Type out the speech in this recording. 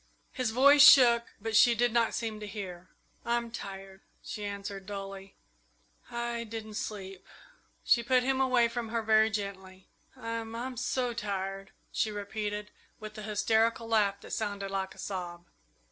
His voice shook, but she did not seem to hear. "I'm tired," she answered dully; "I I didn't sleep." She put him away from her very gently. "I I'm so tired," she repeated, with an hysterical laugh that sounded like a sob.